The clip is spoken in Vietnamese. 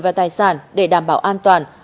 và tài sản để đảm bảo an toàn